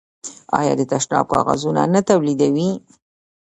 آیا د تشناب کاغذ نه تولیدوي؟